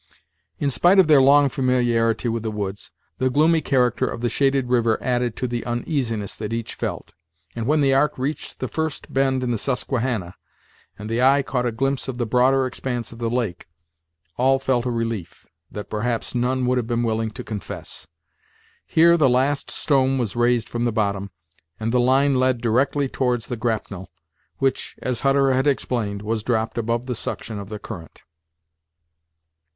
In spite of their long familiarity with the woods, the gloomy character of the shaded river added to the uneasiness that each felt; and when the ark reached the first bend in the Susquehannah, and the eye caught a glimpse of the broader expanse of the lake, all felt a relief, that perhaps none would have been willing to confess. Here the last stone was raised from the bottom, and the line led directly towards the grapnel, which, as Hutter had explained, was dropped above the suction of the current.